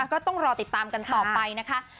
ก็ต้องรอติดตามกันต่อไปนะคะ